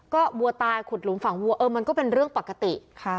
ก็วัวตายขุดหลุมฝั่งวัวเออมันก็เป็นเรื่องปกติ